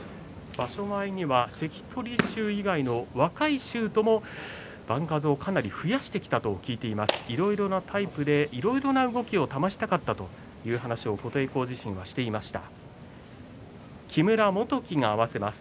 場所前には関取衆以外の若い衆とも番数をかなり増やしてきたと聞いていますしいろいろなタイプでいろいろな動きを試したかったという話を琴恵光自身がしていました。